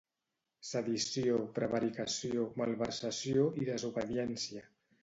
Sedició, prevaricació, malversació i desobediència.